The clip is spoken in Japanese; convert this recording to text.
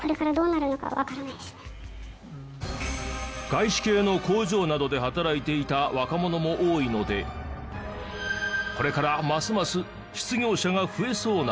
外資系の工場などで働いていた若者も多いのでこれからますます失業者が増えそうなんです。